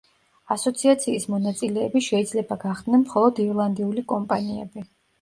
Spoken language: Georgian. ასოციაციის მონაწილეები შეიძლება გახდნენ მხოლოდ ირლანდიული კომპანიები.